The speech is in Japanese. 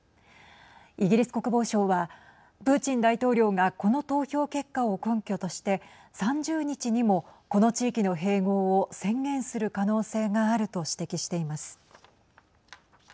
イギリス国防省はプーチン大統領がこの投票結果を根拠として３０日にもこの地域の併合を宣言する可能性があると指摘しています。